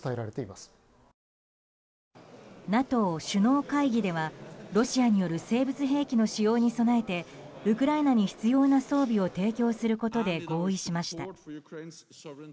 ＮＡＴＯ首脳会議ではロシアによる生物兵器の使用に備えてウクライナに必要な装備を提供することで合意しました。